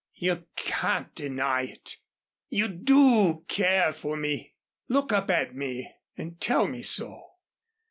"You can't deny it. You do care for me. Look up at me and tell me so."